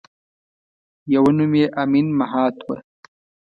یوه نوم یې امین مهات وه.